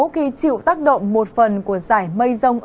khi chịu tác động một phần của giải mây rông